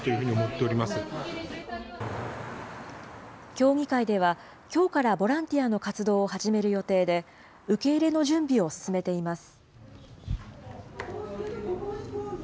協議会では、きょうからボランティアの活動を始める予定で、受け入れの準備を進めています。